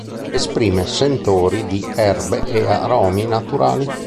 Esprime sentori di erbe e aromi naturali.